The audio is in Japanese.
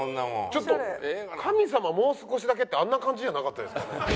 ちょっと『神様、もう少しだけ』ってあんな感じじゃなかったですかね？